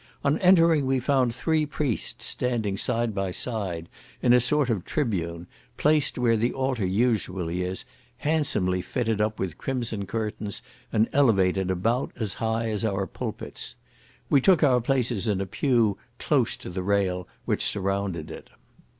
On entering, we found three priests standing side by side, in a sort of tribune, placed where the altar usually is, handsomely fitted up with crimson curtains, and elevated about as high as our pulpits. We took our places in a pew close to the rail which surrounded it.